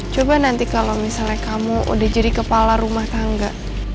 coba nanti kalau misalnya kamu udah jadi kepala rumah tangga